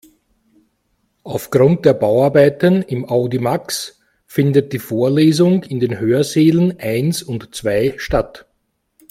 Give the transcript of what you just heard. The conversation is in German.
Aufgrund der Bauarbeiten im Audimax findet die Vorlesung in den Hörsälen eins und zwei statt.